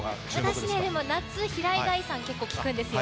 私、夏、平井大さんを結構聴くんですよ。